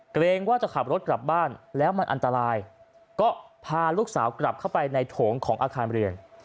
เกรงว่าจะขับรถกลับบ้านแล้วมันอันตรายก็พาลูกสาวกลับเข้าไปในโถงของอาคารเรียน